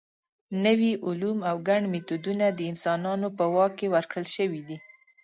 نوي علوم او ګڼ میتودونه د انسانانو په واک کې ورکړل شوي دي.